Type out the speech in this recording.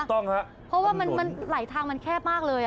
เพราะว่ามันไหลทางมันแคบมากเลย